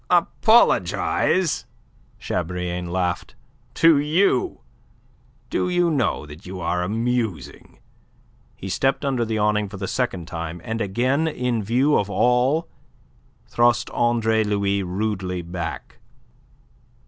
"Apologize?" Chabrillane laughed. "To you! Do you know that you are amusing?" He stepped under the awning for the second time, and again in view of all thrust Andre Louis rudely back.